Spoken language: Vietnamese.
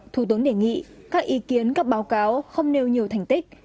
thủ tướng đề nghị các ý kiến các báo cáo không nêu nhiều thành tích